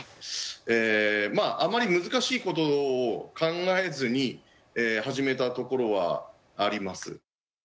えまああまり難しいことを考えずに始めたところはあります。